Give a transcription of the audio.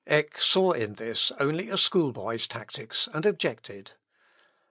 Eck saw in this only a school boy's tactics, and objected.